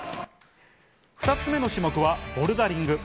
２つ目の種目はボルダリング。